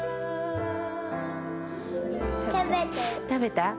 食べた？